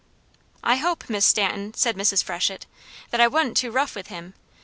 "I hope, Miss Stanton," said Mrs. Freshett, "that I wa'n't too rough with him.